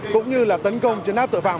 cũng như là tấn công chiến áp tội phạm